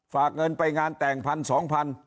ฝากเงินไปงานแต่งพันสองพัน